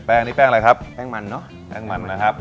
ใส่แป้งนี่แป้งอะไรครับแป้งมันนะครับผมแป้งมัน